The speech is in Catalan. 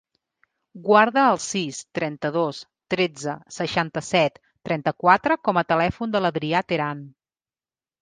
Guarda el sis, trenta-dos, tretze, seixanta-set, trenta-quatre com a telèfon de l'Adrià Teran.